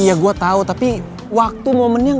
iya gua tau tapi waktu momennya ga pas